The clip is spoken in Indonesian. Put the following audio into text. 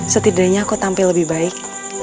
setidaknya aku tampil lebih baik